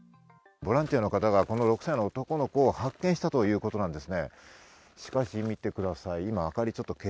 ボランティアの方が６歳の男の子を発見したということです。